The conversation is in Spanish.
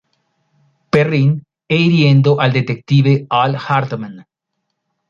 Perrin e hiriendo al detective Al Hartman.